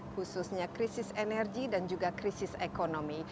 khususnya krisis energi dan juga krisis ekonomi